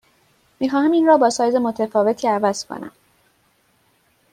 می خواهم این را با سایز متفاوتی عوض کنم.